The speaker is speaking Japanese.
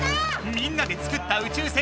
みんなで作った宇宙船